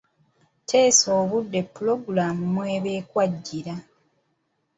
Teesa obudde puloguloomu mw’eba ekwajjira.